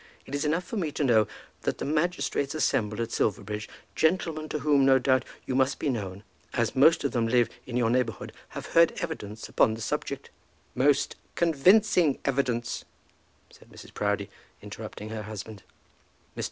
It is enough for me to know that the magistrates assembled at Silverbridge, gentlemen to whom no doubt you must be known, as most of them live in your neighbourhood, have heard evidence upon the subject " "Most convincing evidence," said Mrs. Proudie, interrupting her husband. Mr.